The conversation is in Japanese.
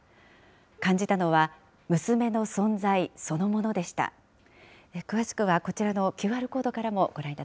感じたのは、娘の存在そのものでした。